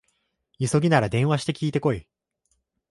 急ぎなら電話して聞いてこい